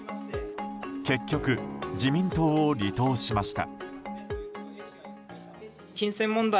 結局、自民党を離党しました。